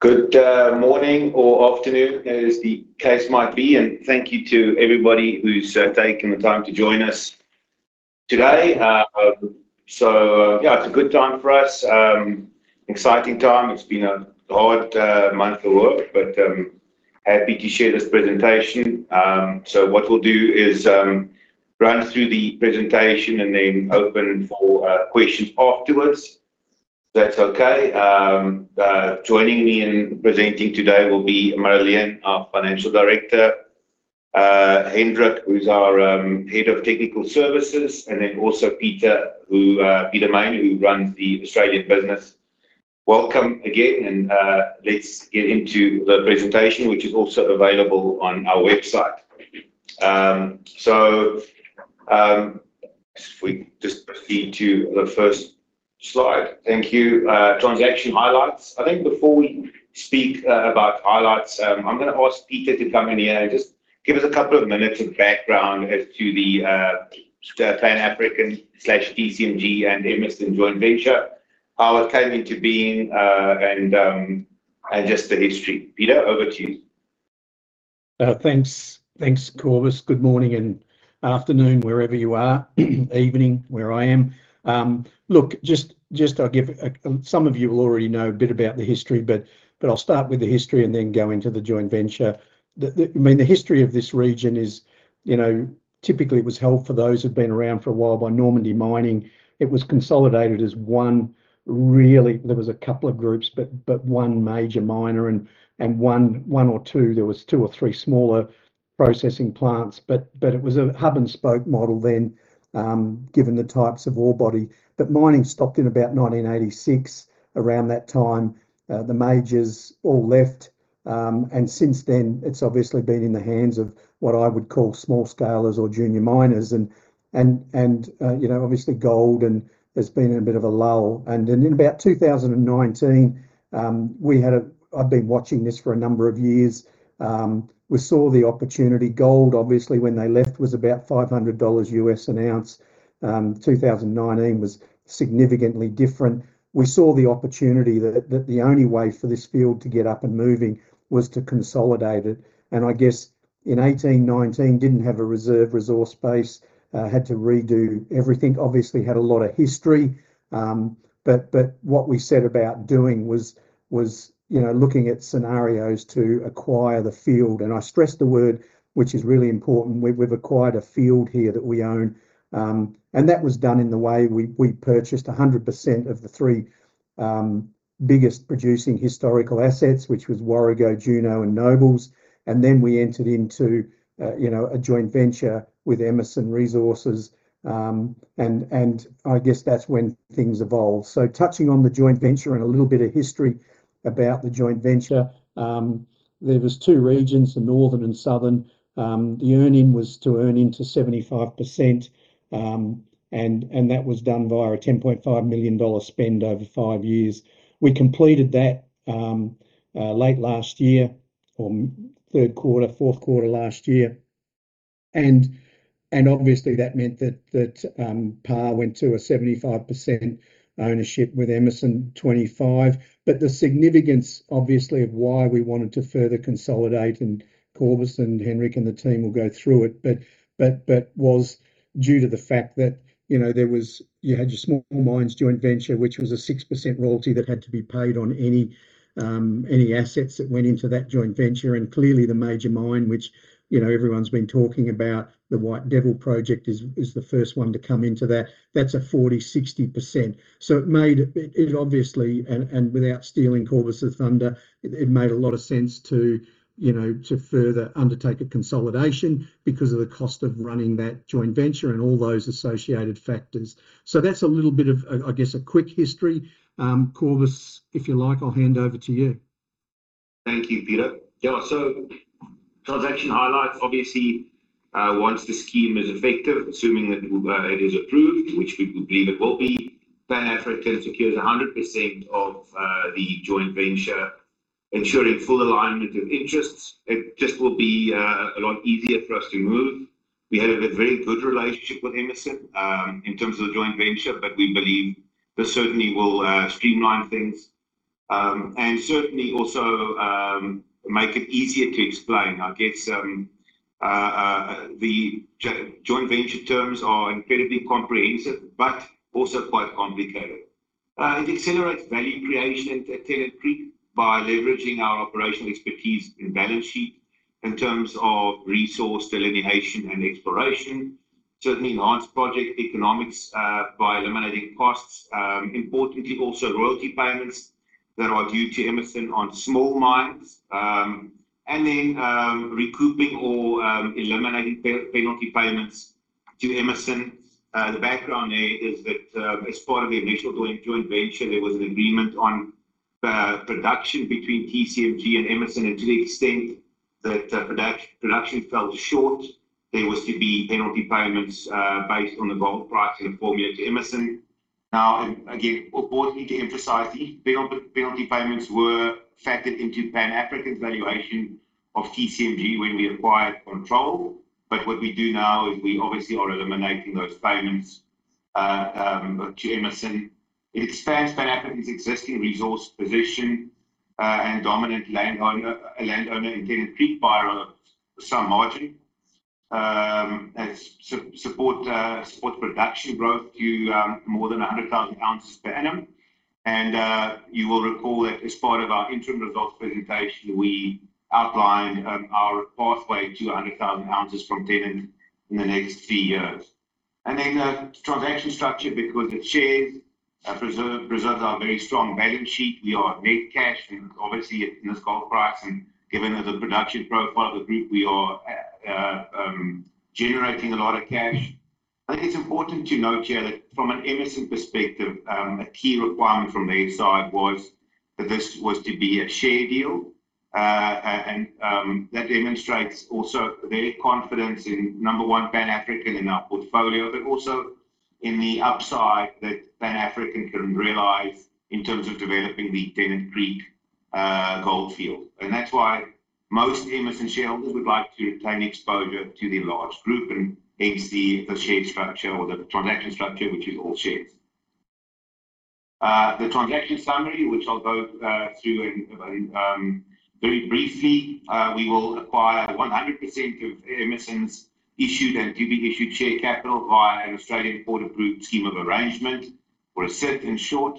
Good morning or afternoon, as the case might be, and thank you to everybody who's taken the time to join us today. It's a good time for us, exciting time. It's been a hard month of work, but happy to share this presentation. What we'll do is run through the presentation and then open for questions afterwards, if that's okay. Joining me in presenting today will be Marileen, our Financial Director, Hendrik, who's our Head of Technical Services, and then also Peter Mayne, who runs the Australian business. Welcome again, and let's get into the presentation, which is also available on our website. If we just proceed to the first slide. Thank you. Transaction highlights. I think before we speak about highlights, I'm gonna ask Peter to come in here and just give us a couple of minutes of background as to the Pan African/TCMG and Emmerson joint venture, how it came into being, and just the history. Peter, over to you. Thanks. Thanks, Cobus. Good morning and afternoon wherever you are. Evening, where I am. Some of you will already know a bit about the history, but I'll start with the history and then go into the joint venture. I mean, the history of this region is, you know, typically it was held for those who've been around for a while by Normandy Mining. It was consolidated as one really. There was a couple of groups but one major miner and one or two. There was two or three smaller processing plants. It was a hub-and-spoke model then, given the types of ore body. Mining stopped in about 1986. Around that time, the majors all left. Since then, it's obviously been in the hands of what I would call small-scale or junior miners, you know, obviously gold and there's been a bit of a lull. In about 2019, I've been watching this for a number of years. We saw the opportunity. Gold, obviously, when they left, was about $500 an ounce. 2019 was significantly different. We saw the opportunity that the only way for this field to get up and moving was to consolidate it. I guess in 2019, didn't have a reserve resource base, had to redo everything. Obviously had a lot of history. What we set about doing was, you know, looking at scenarios to acquire the field. I stress the word, which is really important. We've acquired a field here that we own. That was done in the way we purchased 100% of the 3 biggest producing historical assets, which was Warrego, Juno, and Nobles. Then we entered into a joint venture with Emmerson Resources. I guess that's when things evolved. Touching on the joint venture and a little bit of history about the joint venture. There was two regions, the northern and southern. The earn-in was to earn into 75%, and that was done via a 10.5 million dollar spend over 5 years. We completed that late last year or third quarter, fourth quarter last year. Obviously, that meant that our went to a 75% ownership with Emmerson 25. But the significance, obviously, of why we wanted to further consolidate, and Cobus and Hendrik and the team will go through it, but was due to the fact that, you know, you had your small mines joint venture, which was a 6% royalty that had to be paid on any assets that went into that joint venture. Clearly, the major mine, which, you know, everyone's been talking about, the White Devil project is the first one to come into that. That's a 40-60%. It obviously and without stealing Cobus' thunder, it made a lot of sense to, you know, to further undertake a consolidation because of the cost of running that joint venture and all those associated factors. That's a little bit of a a quick history. Cobus, if you like, I'll hand over to you. Thank you, Peter. Transaction highlights. Obviously, once the scheme is effective, assuming that it is approved, which we believe it will be, Pan African secures 100% of the joint venture, ensuring full alignment of interests. It just will be a lot easier for us to move. We had a very good relationship with Emmerson in terms of the joint venture, but we believe this certainly will streamline things. Certainly also make it easier to explain. I guess, the joint venture terms are incredibly comprehensive but also quite complicated. It accelerates value creation at Tennant Creek by leveraging our operational expertise and balance sheet in terms of resource delineation and exploration. Certainly enhance project economics by eliminating costs. Importantly, also royalty payments that are due to Emmerson on small mines. Recouping or eliminating penalty payments to Emmerson. The background there is that as part of the initial joint venture there was an agreement on production between TCMG and Emmerson. To the extent that production fell short there was to be penalty payments based on the gold pricing formula to Emmerson. Again, importantly to emphasize, the penalty payments were factored into Pan African's valuation of TCMG when we acquired control. What we do now is we obviously are eliminating those payments to Emmerson. It expands Pan African's existing resource position and as a dominant landowner in Tennant Creek by some margin. To support production growth to more than 100,000 ounces per annum. You will recall that as part of our interim results presentation, we outlined our pathway to 100,000 ounces from Tennant Creek in the next three years. The transaction structure, because it's shares, preserves our very strong balance sheet. We are net cash and obviously at this gold price and given the production profile of the group, we are generating a lot of cash. I think it's important to note here that from an Emmerson perspective, a key requirement from their side was that this was to be a share deal. That demonstrates also their confidence in, number one, Pan African and our portfolio, but also in the upside that Pan African can realize in terms of developing the Tennant Creek Goldfield. That's why most Emerson shareholders would like to obtain exposure to the large group and hence the share structure or the transaction structure, which is all shares. The transaction summary, which I'll go through very briefly, we will acquire 100% of Emmerson's issued and to-be-issued share capital via an Australian court-approved scheme of arrangement or a scheme in short.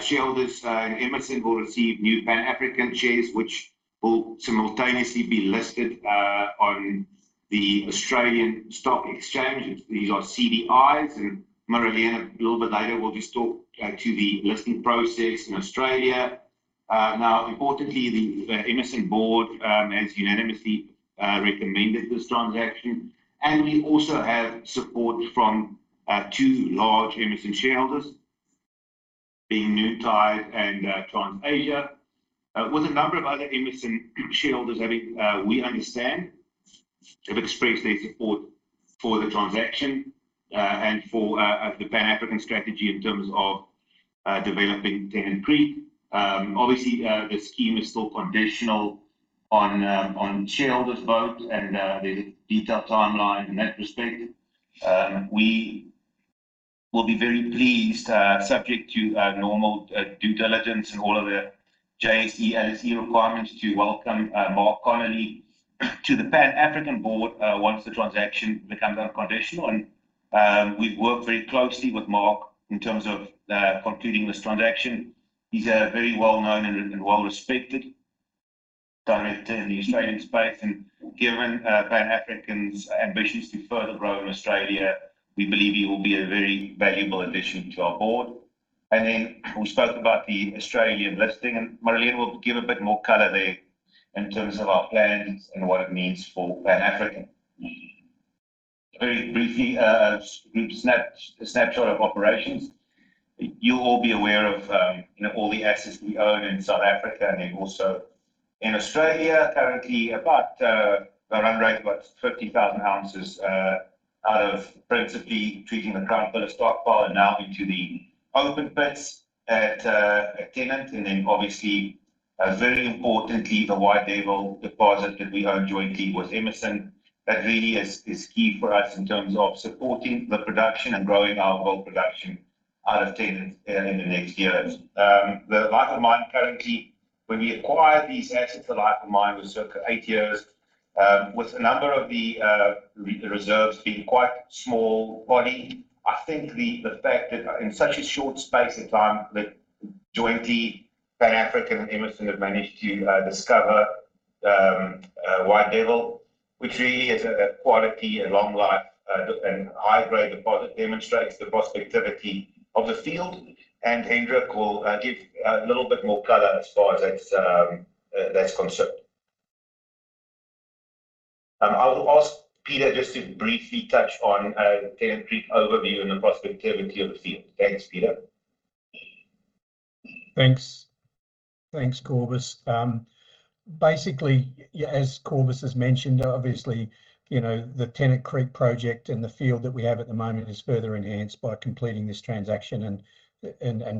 Shareholders, Emmerson will receive new Pan African shares, which will simultaneously be listed on the Australian Securities Exchange. These are CDIs, and Marileen a little bit later will just talk to the listing process in Australia. Now importantly, the Emmerson Board has unanimously recommended this transaction. We also have support from two large Emmerson shareholders, being Noontide and TA Private Capital. With a number of other Emmerson shareholders having, we understand, have expressed their support for the transaction, and for the Pan African strategy in terms of developing Tennant Creek. Obviously, the scheme is still conditional on shareholders' vote and the detailed timeline in that respect. We will be very pleased, subject to normal due diligence and all of the JSE, LSE requirements to welcome Mark Connelly to the Pan African Board once the transaction becomes unconditional. We've worked very closely with Mark in terms of concluding this transaction. He's a very well-known and well-respected director in the Australian space. Given Pan African's ambitions to further grow in Australia, we believe he will be a very valuable addition to our Board. We spoke about the Australian listing, and Marileen will give a bit more color there in terms of our plans and what it means for Pan African. Very briefly, a snapshot of operations. You'll all be aware of, you know, all the assets we own in South Africa and then also in Australia. Currently, about a run rate of about 50,000 ounces out of principally treating the current pillar stockpile and now into the open pits at at Tennant. Obviously, very importantly, the White Devil deposit that we own jointly with Emmerson. That really is key for us in terms of supporting the production and growing our gold production out of Tennant in the next years. The life of mine currently, when we acquired these assets, the life of mine was circa eight years, with a number of the reserves being quite small bodies. I think the fact that in such a short space of time, the joint Pan African and Emmerson have managed to discover White Devil, which really is a quality, long life, underground high-grade deposit, demonstrates the prospectivity of the field. Hendrik will give a little bit more color as far as that's concerned. I'll ask Peter just to briefly touch on Tennant Creek overview and the prospectivity of the field. Thanks, Peter. Thanks. Thanks, Cobus. Basically, as Cobus has mentioned, obviously, you know, the Tennant Creek project and the field that we have at the moment is further enhanced by completing this transaction.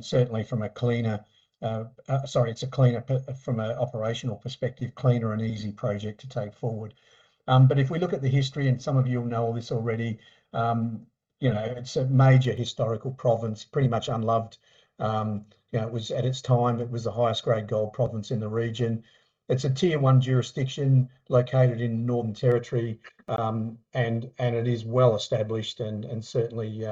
Certainly from a cleaner operational perspective, cleaner and easier project to take forward. But if we look at the history, and some of you will know all this already, you know, it's a major historical province, pretty much unloved. You know, it was, at its time, it was the highest grade gold province in the region. It's a Tier 1 jurisdiction located in Northern Territory, and it is well established and certainly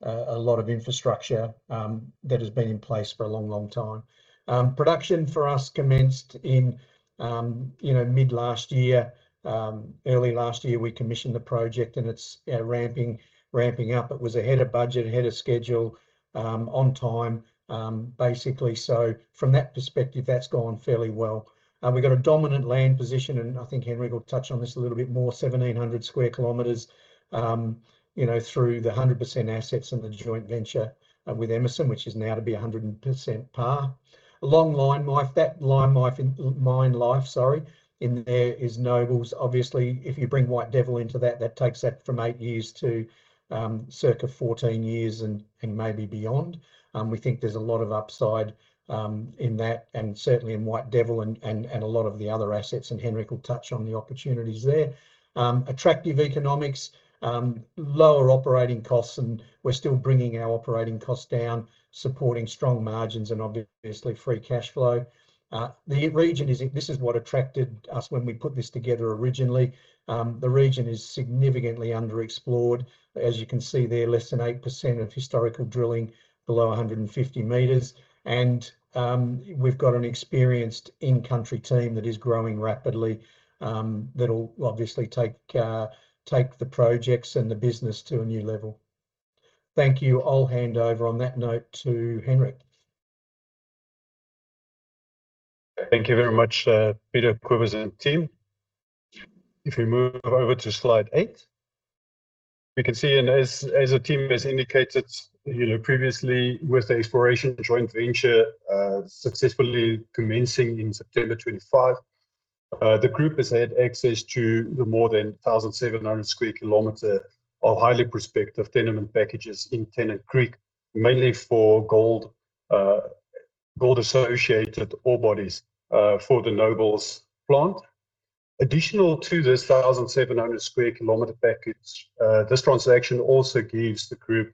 a lot of infrastructure that has been in place for a long, long time. Production for us commenced in mid-last year. Early last year, we commissioned the project and it's ramping up. It was ahead of budget, ahead of schedule, on time, basically. From that perspective, that's gone fairly well. We've got a dominant land position, and I think Hendrik will touch on this a little bit more, 1,700 sq km through the 100% assets in the joint venture with Emmerson, which is now to be 100% PAR. A long mine life in there is eight years. Obviously, if you bring White Devil into that takes that from 8 years to circa 14 years and maybe beyond. We think there's a lot of upside in that and certainly in White Devil and a lot of the other assets, and Hendrik will touch on the opportunities there. Attractive economics, lower operating costs, and we're still bringing our operating costs down, supporting strong margins and obviously free cash flow. This is what attracted us when we put this together originally. The region is significantly underexplored. As you can see there, less than 8% of historical drilling below 150 meters. We've got an experienced in-country team that is growing rapidly, that'll obviously take the projects and the business to a new level. Thank you. I'll hand over on that note to Hendrik. Thank you very much, Peter, Cobus, and team. If we move over to slide eight, we can see, and as the team has indicated, you know, previously with the exploration joint venture, successfully commencing in September 2025, the group has had access to more than 1,700 sq km of highly prospective tenement packages in Tennant Creek, mainly for gold-associated ore bodies, for the Nobles plant. Additional to this 1,700 sq km package, this transaction also gives the group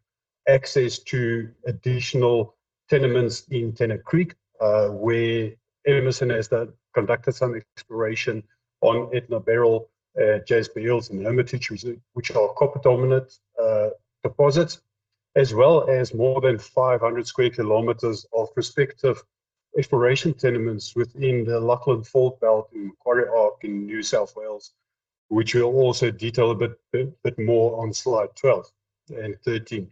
access to additional tenements in Tennant Creek, where Emmerson has conducted some exploration on Edna Beryl, Jasper Hills and Hermitage, which are copper-dominant deposits, as well as more than 500 sq km of prospective exploration tenements within the Lachlan Fold Belt in Cobar Arc in New South Wales, which we'll also detail a bit more on slide 12 and 13.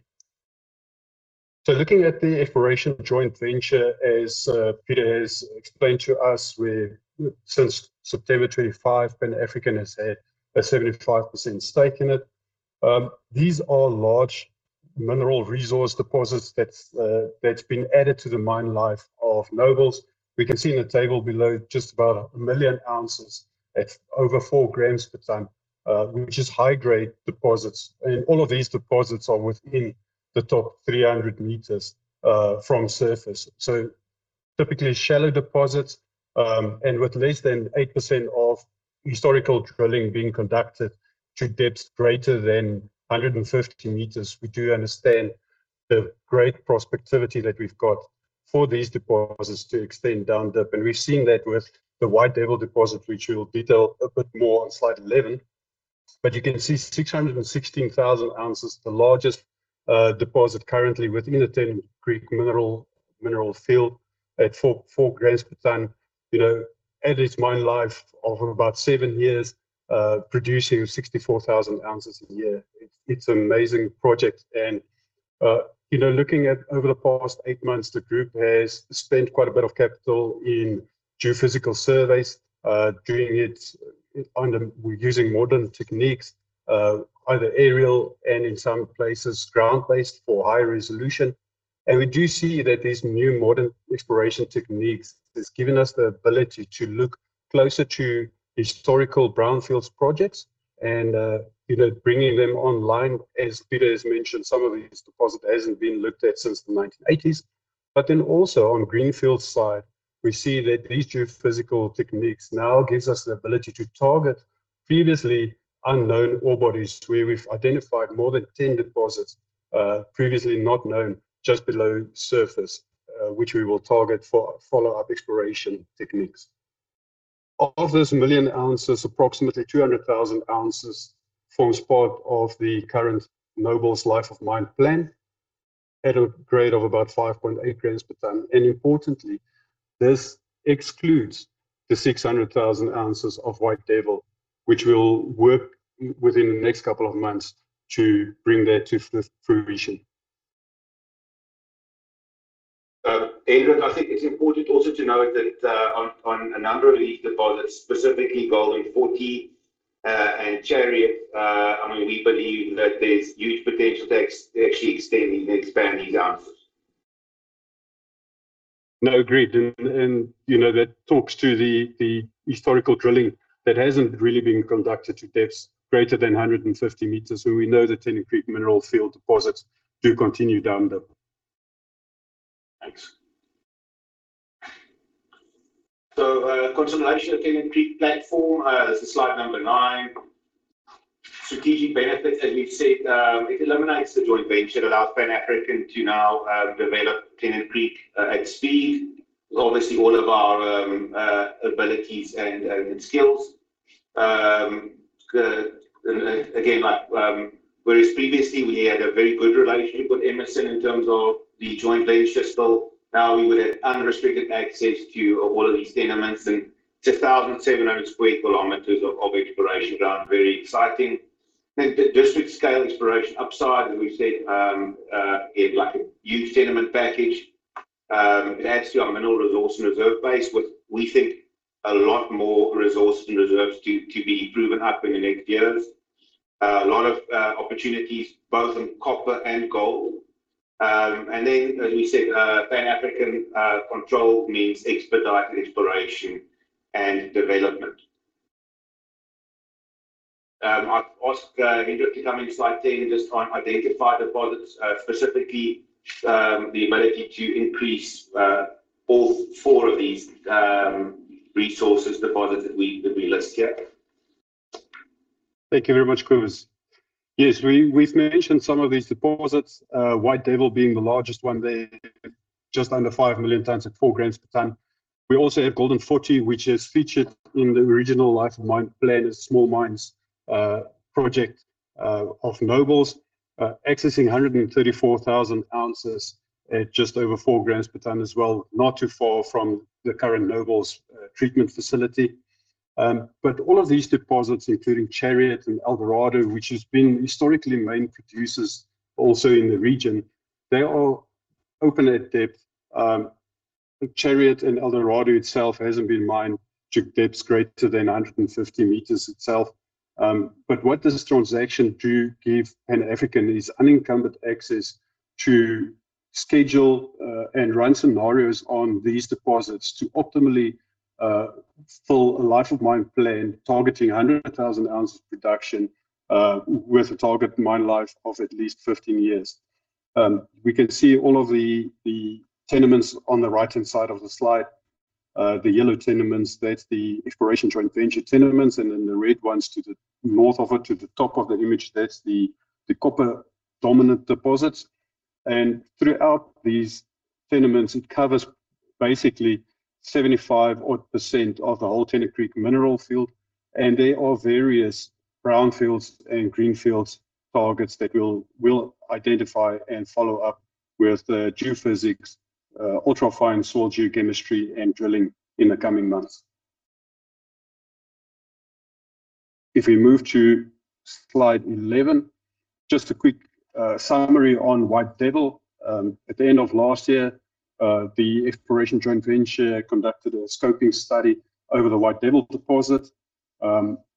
Looking at the exploration joint venture, as Peter has explained to us, where since September 2025, Pan African has had a 75% stake in it. These are large mineral resource deposits that's been added to the mine life of Nobles. We can see in the table below, just about 1 million ounces at over 4 grams per ton, which is high-grade deposits. All of these deposits are within the top 300 meters from surface. Typically shallow deposits, and with less than 8% of historical drilling being conducted to depths greater than 150 meters. We do understand the great prospectivity that we've got for these deposits to extend down dip. We've seen that with the White Devil deposit, which we'll detail a bit more on slide 11. You can see 616,000 ounces, the largest deposit currently within the Tennant Creek Mineral Field at 4 grams per ton. You know, added mine life of about 7 years, producing 64,000 ounces a year. It's amazing project. You know, looking at over the past 8 months, the group has spent quite a bit of capital in geophysical surveys, using modern techniques, either aerial and in some places ground-based for high resolution. We do see that these new modern exploration techniques has given us the ability to look closer to historical brownfields projects and, you know, bringing them online. As Peter has mentioned, some of these deposit hasn't been looked at since the 1980s. Also on greenfields side, we see that these geophysical techniques now gives us the ability to target previously unknown ore bodies, where we've identified more than 10 deposits, previously not known just below surface, which we will target for follow-up exploration techniques. Of this million ounces, approximately 200,000 ounces forms part of the current Nobles life of mine plan at a grade of about 5.8 grams per ton. Importantly, this excludes the 600,000 ounces of White Devil, which we'll work within the next couple of months to bring that to fruition. Hendrik, I think it's important also to note that, on a number of these deposits, specifically Golden Forty and Chariot, I mean, we believe that there's huge potential to actually extending and expand these ounces. No, agreed. You know, that talks to the historical drilling that hasn't really been conducted to depths greater than 150 meters, and we know that Tennant Creek Mineral Field deposits do continue down dip. Thanks. Consolidation of Tennant Creek platform, this is slide number 9. Strategic benefits, as we've said, it eliminates the joint venture. It allows Pan African to now, develop Tennant Creek, at speed. Obviously, all of our abilities and skills. Again, like, whereas previously we had a very good relationship with Emmerson in terms of the joint venture still, now we would have unrestricted access to all of these tenements and to 1,700 sq km of exploration ground. Very exciting. District scale exploration upside, as we've said, you know, like a huge tenement package, adds to our mineral resource and reserve base. We think a lot more resource and reserves to be proven up in the next years. A lot of opportunities both in copper and gold. As we said, Pan African control means expedite exploration and development. I've asked Hendrik to come in slide 10 and just try and identify deposits, specifically, the ability to increase all four of these resources deposits that we list here. Thank you very much, Cobus. Yes, we've mentioned some of these deposits. White Devil being the largest one there, just under 5 million tons at 4 grams per ton. We also have Golden Forty, which is featured in the original life of mine plan as small mines project of Nobles, accessing 134,000 ounces at just over 4 grams per ton as well, not too far from the current Nobles treatment facility. All of these deposits, including Chariot and Eldorado, which has been historically main producers also in the region, they are open at depth. Chariot and Eldorado itself hasn't been mined to depths greater than 150 m itself. What this transaction do give Pan African is unencumbered access to schedule and run scenarios on these deposits to optimally fill a life of mine plan targeting 100,000 ounces of production with a target mine life of at least 15 years. We can see all of the tenements on the right-hand side of the slide. The yellow tenements, that's the exploration joint venture tenements, and then the red ones to the north of it, to the top of the image, that's the copper dominant deposits. Throughout these tenements, it covers basically 75% odd of the whole Tennant Creek mineral field. There are various brownfields and greenfields targets that we'll identify and follow up with the geophysics, ultrafine soil geochemistry and drilling in the coming months. If we move to slide 11. Just a quick summary on White Devil. At the end of last year, the exploration joint venture conducted a scoping study over the White Devil deposit.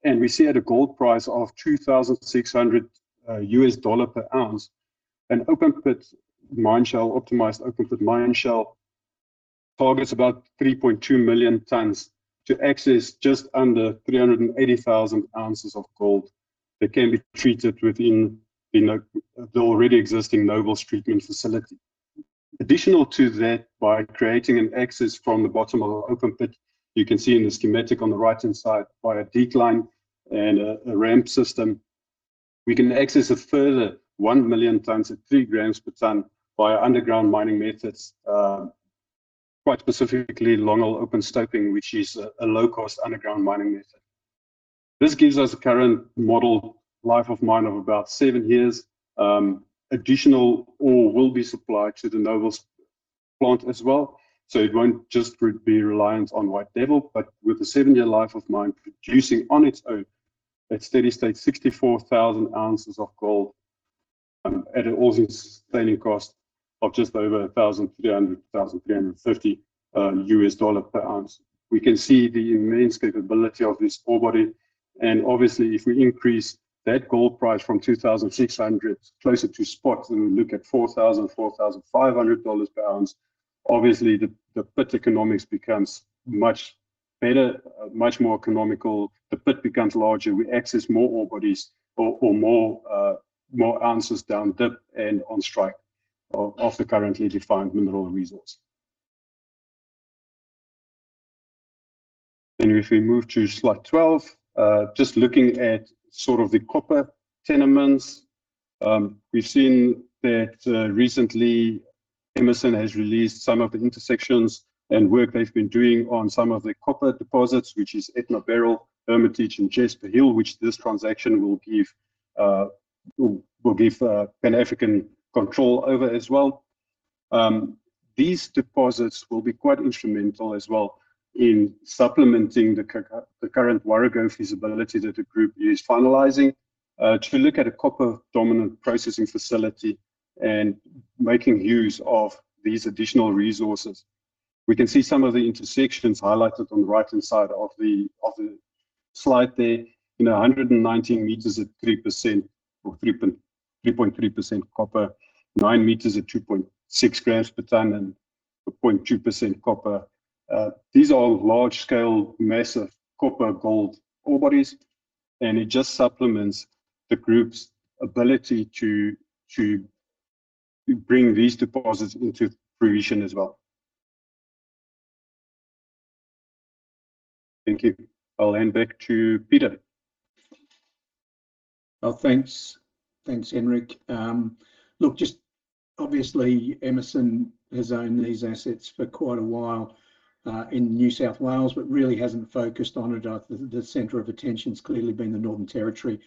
We see at a gold price of $2,600 per ounce, an open-pit mine shell, optimized open-pit mine shell targets about 3.2 million tonnes to access just under 380,000 ounces of gold that can be treated within the already existing Nobles treatment facility. Additionaly, to that, by creating an access from the bottom of the open pit, you can see in the schematic on the right-hand side via decline and a ramp system. We can access a further 1 million tonnes at 3 grams per tonne via underground mining methods, quite specifically long-hole open stopping, which is a low-cost underground mining method. This gives us a current model life of mine of about 7 years. Additional ore will be supplied to the Nobles plant as well, so it won't just be reliant on White Devil. With a 7-year life of mine producing on its own at steady state 64,000 ounces of gold, at an all-in sustaining cost of just over $1,350 per ounce. We can see the immense capability of this ore body. Obviously, if we increase that gold price from $2,600 closer to spot, then we look at $4,000-$4,500 per ounce. Obviously, the pit economics becomes much better, much more economical. The pit becomes larger. We access more ore bodies or more ounces down dip and on strike off the currently defined mineral resource. If we move to slide 12. Just looking at sort of the copper tenements. We've seen that recently Emmerson has released some of the intersections and work they've been doing on some of the copper deposits, which is Edna Beryl, Hermitage and Jasper Hills, which this transaction will give Pan African control over as well. These deposits will be quite instrumental as well in supplementing the current Warrego feasibility that the group is finalizing to look at a copper-dominant processing facility and making use of these additional resources. We can see some of the intersections highlighted on the right-hand side of the slide there. 119 meters at 3% or 3.3% copper, 9 meters at 2.6 grams per tonne and 0.2% copper. These are large scale, massive copper gold ore bodies, and it just supplements the group's ability to bring these deposits into fruition as well. Thank you. I'll hand back to Peter. Thanks. Thanks, Henrik. Look, just obviously Emmerson has owned these assets for quite a while in New South Wales, but really hasn't focused on it. I think the center of attention's clearly been the Northern Territory.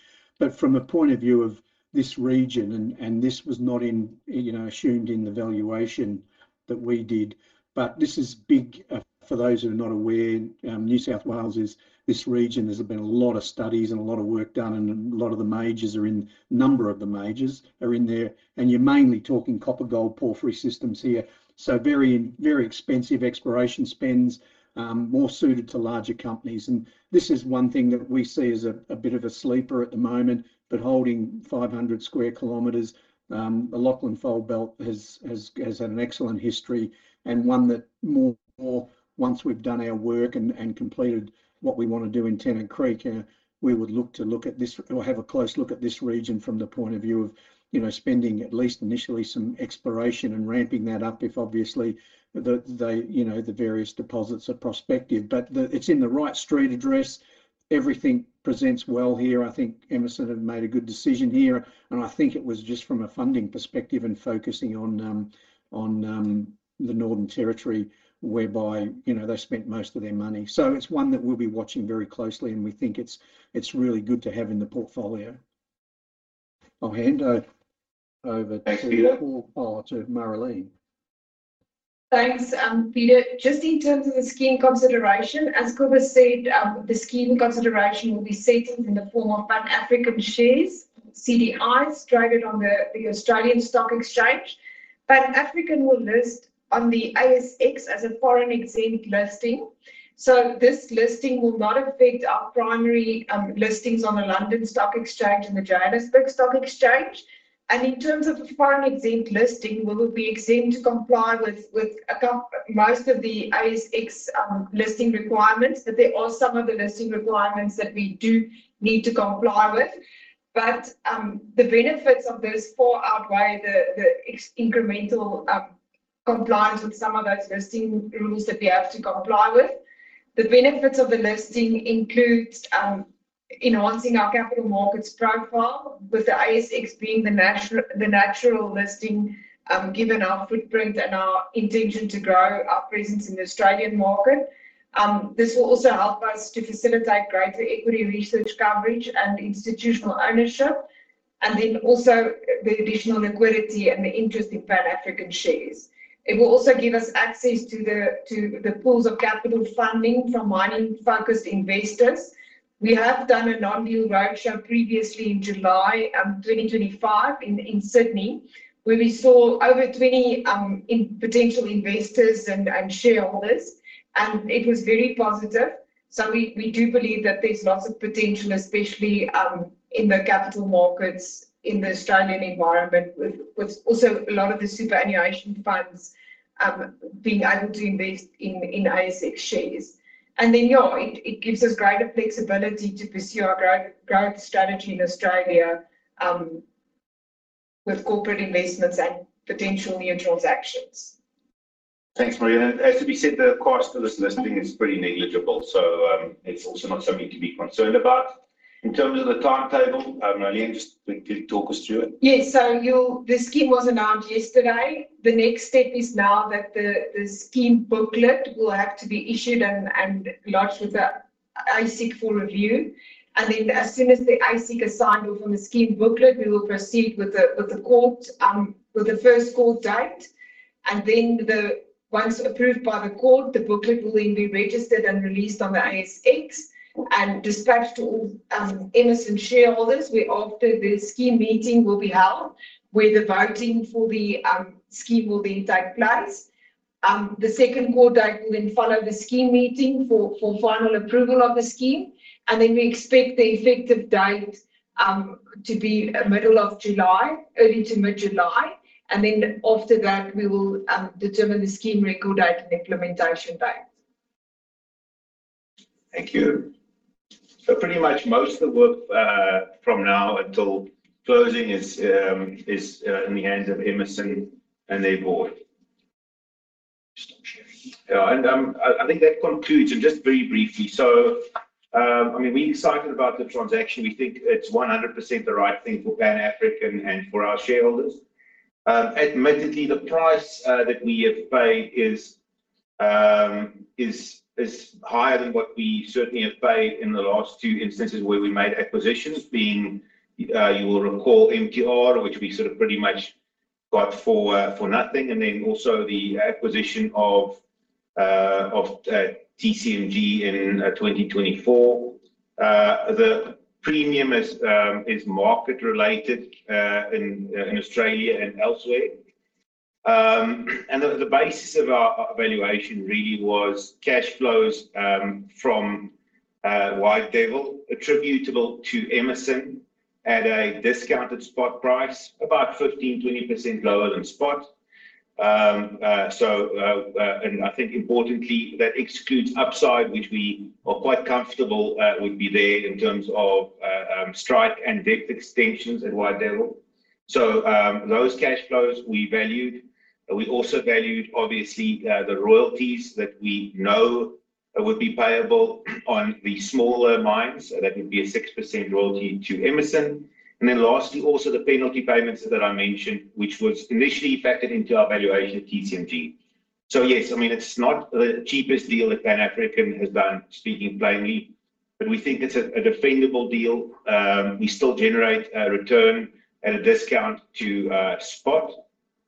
From a point of view of this region, and this was not in, you know, assumed in the valuation that we did, but this is big. For those who are not aware, New South Wales is this region. There's been a lot of studies and a lot of work done and a number of the majors are in there. You're mainly talking copper-gold porphyry systems here. Very, very expensive exploration spends, more suited to larger companies. This is one thing that we see as a bit of a sleeper at the moment, but holding 500 sq km. The Lachlan Fold Belt has had an excellent history and one that once we've done our work and completed what we want to do in Tennant Creek, we would look at this or have a close look at this region from the point of view of, you know, spending at least initially some exploration and ramping that up if obviously the various deposits are prospective. It's in the right street address. Everything presents well here. I think Emmerson have made a good decision here. I think it was just from a funding perspective and focusing on the Northern Territory whereby, you know, they spent most of their money. It's one that we'll be watching very closely, and we think it's really good to have in the portfolio. I'll hand over to Marileen. Thanks, Peter. Just in terms of the scheme consideration, as Cobus said, the scheme consideration will be settled in the form of Pan African shares, CDIs traded on the Australian Securities Exchange. Pan African will list on the ASX as a foreign exempt listing, so this listing will not affect our primary listings on the London Stock Exchange and the Johannesburg Stock Exchange. In terms of the foreign exempt listing, we will be exempt from complying with most of the ASX listing requirements. There are some of the listing requirements that we do need to comply with. The benefits of those far outweigh the incremental compliance with some of those listing rules that we have to comply with. The benefits of the listing includes enhancing our capital markets profile, with the ASX being the natural listing given our footprint and our intention to grow our presence in the Australian market. This will also help us to facilitate greater equity research coverage and institutional ownership, and then also the additional liquidity and the interest in Pan African shares. It will also give us access to the pools of capital funding from mining-focused investors. We have done a non-deal roadshow previously in July 2025 in Sydney, where we saw over 20 potential investors and shareholders. It was very positive, so we do believe that there's lots of potential, especially in the capital markets in the Australian environment with also a lot of the superannuation funds being able to invest in ASX shares. Then it gives us greater flexibility to pursue our growth strategy in Australia with corporate investments and potential new transactions. Thanks, Marileen. As I said, the cost of this listing is pretty negligible, so it's also not something to be concerned about. In terms of the timetable, Marileen, just can you talk us through it? Yes. The scheme was announced yesterday. The next step is now that the scheme booklet will have to be issued and lodged with the ASIC for review. As soon as the ASIC signs off on the scheme booklet, we will proceed with the court, with the first court date. Once approved by the court, the booklet will then be registered and released on the ASX and dispatched to all Emmerson shareholders, whereafter the scheme meeting will be held, where the voting for the scheme will then take place. The second court date will then follow the scheme meeting for final approval of the scheme, and then we expect the effective date to be middle of July, early to mid-July. After that, we will determine the scheme record date and implementation date. Thank you. Pretty much most of the work from now until closing is in the hands of Emmerson and their Board. I think that concludes. Just very briefly, I mean, we're excited about the transaction. We think it's 100% the right thing for Pan African and for our shareholders. Admittedly, the price that we have paid is higher than what we certainly have paid in the last two instances where we made acquisitions, being you will recall MTR, which we sort of pretty much got for nothing, and then also the acquisition of TCMG in 2024. The premium is market-related in Australia and elsewhere. The basis of our valuation really was cash flows from White Devil attributable to Emmerson at a discounted spot price, about 15%-20% lower than spot. I think importantly, that excludes upside, which we are quite comfortable would be there in terms of strike and depth extensions at White Devil. Those cash flows we valued. We also valued, obviously, the royalties that we know would be payable on the smaller mines. That would be a 6% royalty to Emmerson. Then lastly, also the penalty payments that I mentioned, which was initially factored into our valuation of TCMG. Yes, I mean, it's not the cheapest deal that Pan African has done, speaking plainly, but we think it's a defensible deal. We still generate a return at a discount to spot.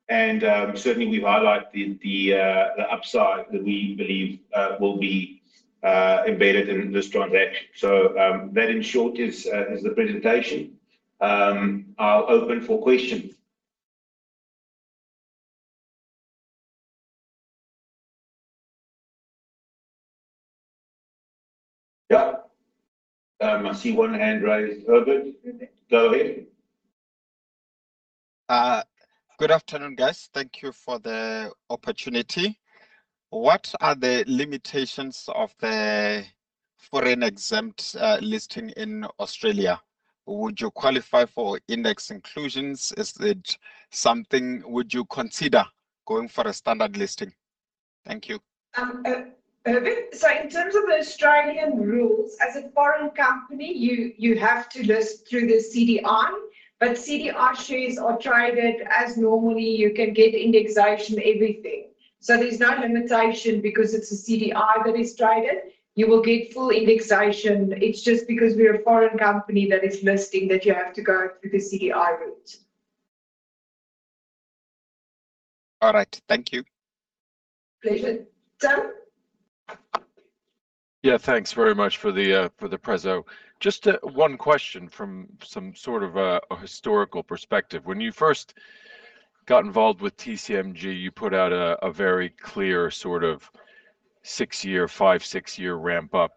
Certainly we've highlighted the upside that we believe will be embedded in this transaction. That in short is the presentation. I'll open for questions. I see one hand raised. Herbert, go ahead. Good afternoon, guys. Thank you for the opportunity. What are the limitations of the foreign exempt listing in Australia? Would you qualify for index inclusions? Is that something you would consider going for a standard listing? Thank you. Herbert, in terms of the Australian rules, as a foreign company, you have to list through the CDI. CDI shares are traded as normally. You can get indexation, everything. There's no limitation because it's a CDI that is traded. You will get full indexation. It's just because we're a foreign company that is listing that you have to go through the CDI route. All right. Thank you. Pleasure. Tim? Thanks very much for the PresCo. Just one question from some sort of a historical perspective. When you first got involved with TCMG, you put out a very clear sort of five- or six-year ramp up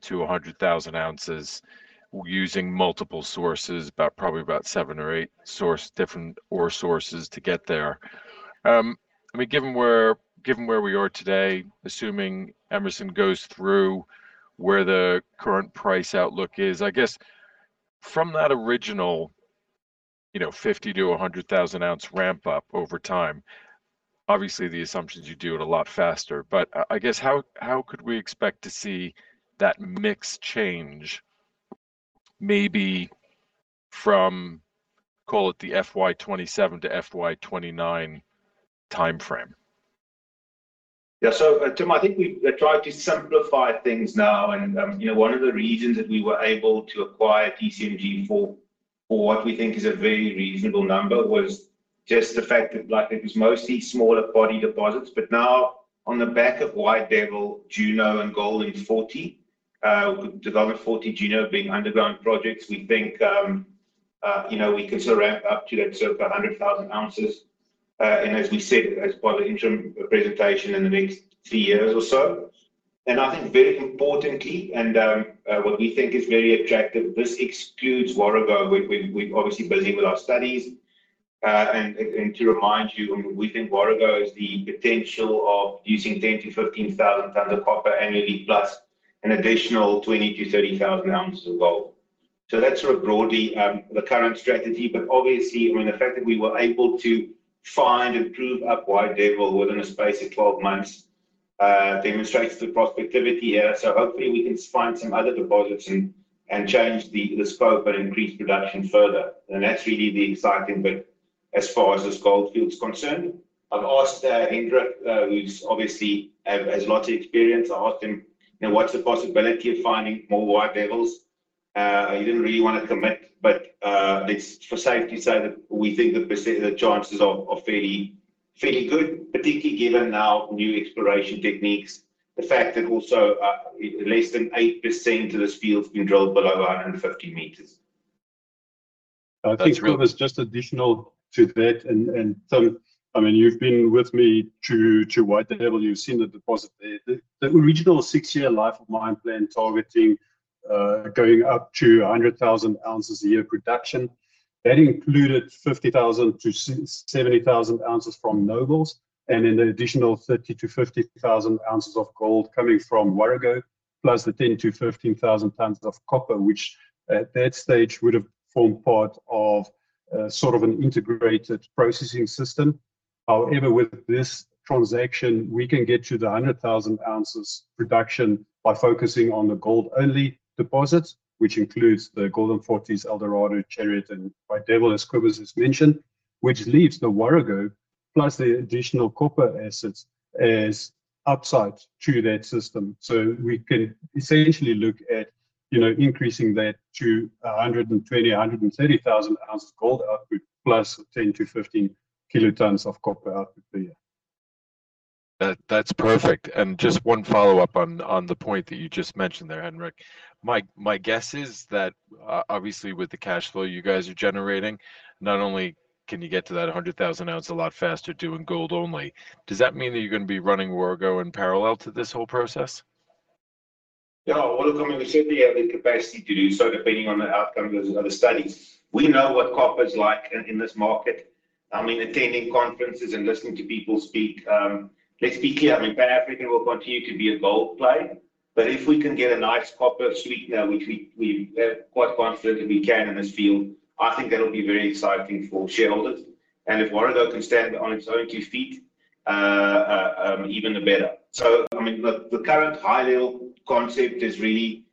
to 100,000 ounces using multiple sources, probably about seven or eight different ore sources to get there. I mean, given where we are today, assuming Emmerson goes through where the current price outlook is, I guess from that original, you know, 50- to 100,000-ounce ramp up over time, obviously the assumptions, you do it a lot faster. I guess, how could we expect to see that mix change maybe from, call it the FY 2027 to FY 2029 timeframe? Tim, I think we've tried to simplify things now and, you know, one of the reasons that we were able to acquire TCMG for what we think is a very reasonable number was just the fact that like it was mostly smaller body deposits. Now on the back of White Devil, Juno, and Golden Forty, with Golden Forty, Juno being underground projects, we think we can sort of ramp up to that sort of 100,000 ounces. As we said, as part of the interim presentation in the next three years or so. I think very importantly and what we think is very attractive, this excludes Warrego. We're obviously busy with our studies, and to remind you, we think Warrego has the potential of producing 10,000-15,000 tons of copper annually, plus an additional 20,000-30,000 ounces of gold. That's sort of broadly the current strategy. I mean, the fact that we were able to find and prove up White Devil within a space of 12 months demonstrates the prospectivity here. Hopefully we can find some other deposits and change the scope and increase production further. That's really the exciting bit as far as this gold field's concerned. I've asked Hendrik, who's obviously has lots of experience. I asked him, you know, what's the possibility of finding more White Devils? He didn't really wanna commit, but let's for safety's sake say that we think the chances are fairly good, particularly given our new exploration techniques. The fact that also less than 8% of this field's been drilled below 150 meters. Cobus, just additional to that, and Tim, you've been with me to White Devil. You've seen the deposit there. The original 6-year life of mine plan targeting going up to 100,000 ounces a year production, that included 50,000-70,000 ounces from Nobles and an additional 30,000-50,000 ounces of gold coming from Warrego, plus the 10,000-15,000 tons of copper, which at that stage would've formed part of sort of an integrated processing system. However, with this transaction, we can get to the 100,000 ounces production by focusing on the gold only deposits, which includes the Golden Forty, Eldorado, Chariot, and White Devil, as Cobus has mentioned, which leaves the Warrego plus the additional copper assets as upside to that system. We can essentially look at, you know, increasing that to 120,000-130,000 ounces gold output, +10-15 kilotons of copper output per year. That's perfect. Just one follow-up on the point that you just mentioned there, Hendrik. My guess is that obviously with the cash flow you guys are generating, not only can you get to that 100,000 ounce a lot faster doing gold only. Does that mean that you're gonna be running Warrego in parallel to this whole process? Well, we certainly have the capacity to do so, depending on the outcome of the other studies. We know what copper's like in this market. I mean, attending conferences and listening to people speak, let's be clear, Pan African will continue to be a gold play, but if we can get a nice copper sweetener, which we are quite confident that we can in this field that'll be very exciting for shareholders. If Warrego can stand on its own two feet, even better. Look, the current high-level concept is really,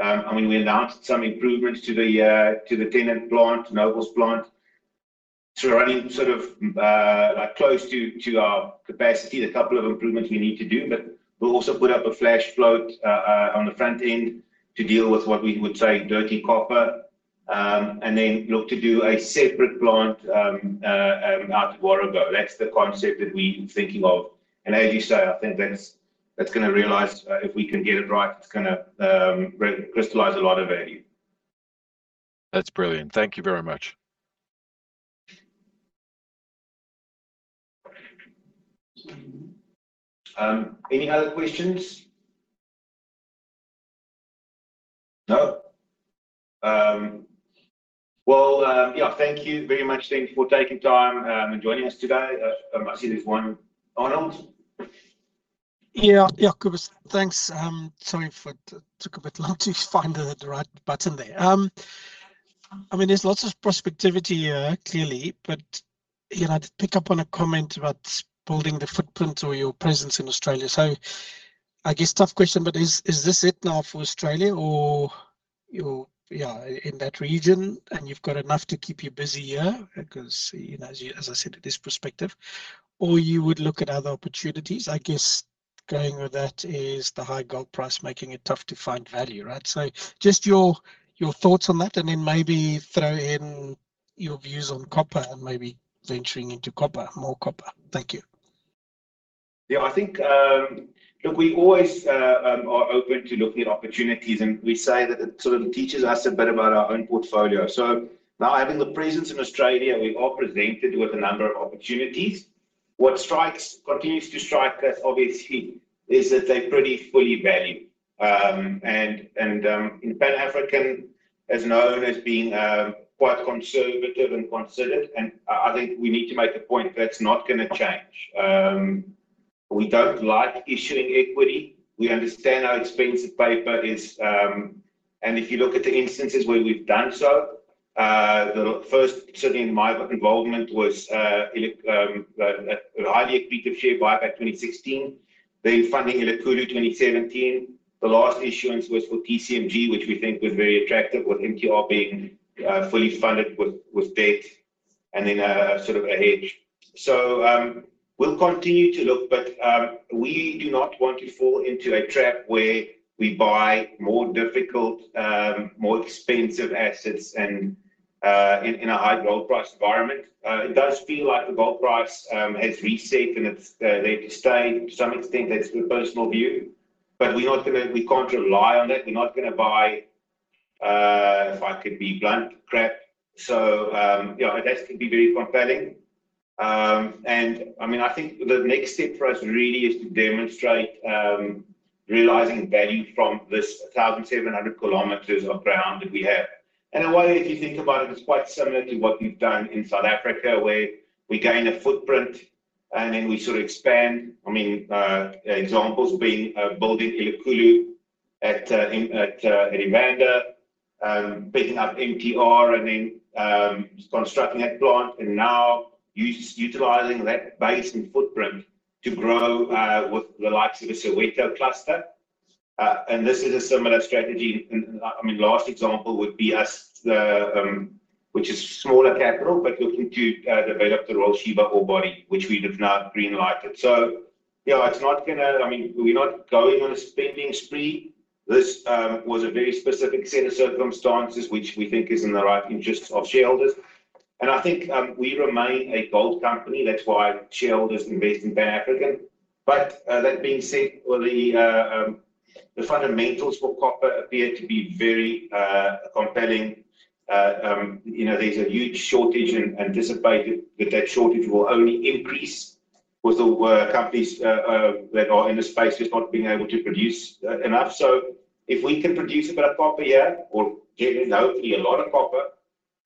we announced some improvements to the Tennant plant, Nobles plant. We're running sort of like close to our capacity. There are a couple of improvements we need to do, but we'll also put up a Flash flotation on the front end to deal with what we would say dirty copper, and then look to do a separate plant out at Warrego. That's the concept that we're thinking of. As you say, I think that's gonna realize, if we can get it right, it's gonna recrystallize a lot of value. That's brilliant. Thank you very much. Any other questions? No. Well, thank you very much then for taking time, and joining us today. I see there's one. Arnold? Cobus. Thanks. Sorry it took a bit long to find the right button there. There's lots of prospectivity here, clearly, but you know, to pick up on a comment about building the footprint or your presence in Australia. I guess tough question, but is this it now for Australia or in that region and you've got enough to keep you busy here? Because, you know, as you said, as I said, it is prospective. Or you would look at other opportunities, I guess. Going with that is the high gold price making it tough to find value, right? Just your thoughts on that, and then maybe throw in your views on copper and maybe venturing into copper, more copper. Thank you. Look, we always are open to looking at opportunities, and we say that it sort of teaches us a bit about our own portfolio. Now having a presence in Australia, we are presented with a number of opportunities. What continues to strike us obviously is that they're pretty fully valued. Pan African is known as being quite conservative and considered, and I think we need to make the point that's not gonna change. We don't like issuing equity. We understand how expensive paper is. If you look at the instances where we've done so, the first certainly in my involvement was a highly accretive share buyback back 2016. Funding Elikhulu 2017. The last issuance was for TCMG, which we think was very attractive, with MTR being fully funded with debt and then a sort of a hedge. We'll continue to look, but we do not want to fall into a trap where we buy more difficult, more expensive assets and in a high gold price environment. It does feel like the gold price has reset and it's there to stay to some extent. That's the personal view. We can't rely on it. We're not gonna buy, if I could be blunt, crap. That can be very compelling. I mean, I think the next step for us really is to demonstrate realizing value from this 1,700 kilometers of ground that we have. In a way, if you think about it's quite similar to what we've done in South Africa, where we gain a footprint and then we sort of expand. I mean, examples being building Elikhulu at Evander. Picking up MTR and then constructing that plant and now utilizing that base and footprint to grow with the likes of a Soweto cluster. This is a similar strategy. I mean, last example would be ours, which is smaller capital, but looking to develop the Royal Sheba ore body, which we have now green-lighted. It's not gonna. I mean, we're not going on a spending spree. This was a very specific set of circumstances which we think is in the right interests of shareholders. I think we remain a gold company. That's why shareholders invest in Pan African. That being said, well, the fundamentals for copper appear to be very compelling. You know, there's a huge shortage and anticipated that shortage will only increase with the companies that are in the space just not being able to produce enough. If we can produce a bit of copper here or get in hopefully a lot of copper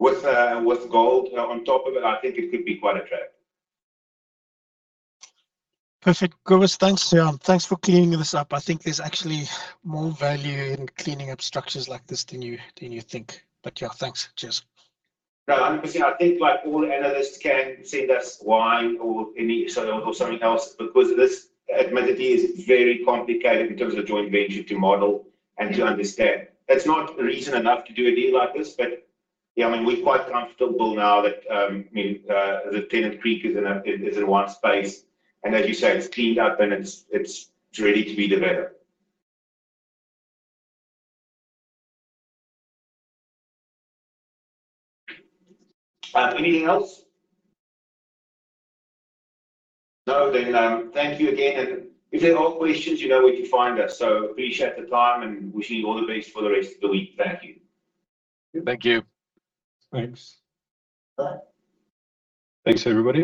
with gold on top of it, I think it could be quite attractive. Perfect. Cobus, thanks. Thanks for cleaning this up. I think there's actually more value in cleaning up structures like this than you think. Thanks. Cheers. No, 100%. I think like all analysts can send us wine or any, or something else, because this admittedly is very complicated in terms of joint venture to model and to understand. That's not reason enough to do a deal like this. We're quite comfortable now that the Tennant Creek is in one space, and as you say, it's cleaned up and it's ready to be developed. Anything else? No, thank you again. If you have more questions, you know where to find us. Appreciate the time and wishing you all the best for the rest of the week. Thank you. Thank you. Thanks. Bye. Thanks, everybody.